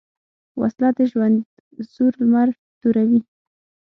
وسله د ژوند سور لمر توروي